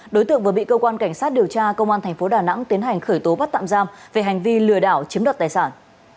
đối tượng vừa bị cơ quan cảnh sát điều tra công an tp đà nẵng tiến hành khởi tố bắt tạm giam về hành vi lừa đảo chiếm đoạt tài sản